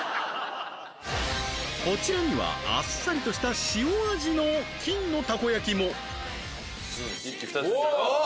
こちらにはあっさりとした塩味の金のたこ焼も一気に２つおっ！